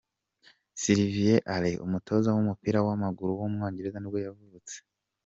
Clive Allen, umutoza w’umupira w’amaguru w’umwongereza nibwo yavutse.